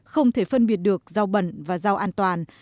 không thể phân biệt được rau bẩn và rau an toàn